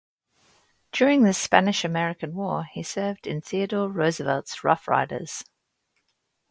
During the Spanish American War he served in Theodore Roosevelt's Rough Riders.